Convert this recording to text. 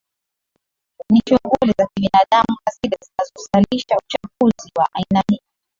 Ni shughuli za kibinadamu na zile zinazozalisha uchafuzi wa aina hii